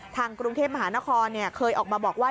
ทางกรุงเทพมหานครเคยออกมาบอกว่า